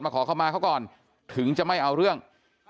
ขอเข้ามาเขาก่อนถึงจะไม่เอาเรื่อง